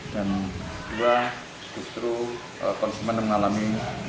dua justru konsumen mengalami